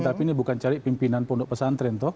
tapi ini bukan cari pimpinan pondok pesantren